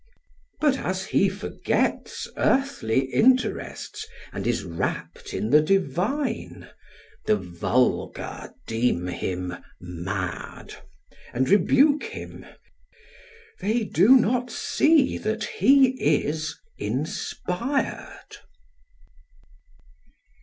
But, as he forgets earthly interests and is rapt in the divine, the vulgar deem him mad, and rebuke him; they do not see that he is inspired.